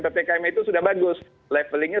ppkm itu sudah bagus levelingnya